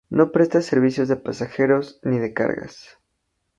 No presta servicios de pasajeros ni de cargas.